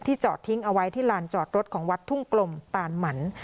จอดทิ้งเอาไว้ที่ลานจอดรถของวัดทุ่งกลมตานหมัน